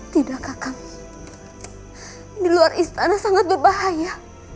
tidakkah kami di luar istana sangat berbahaya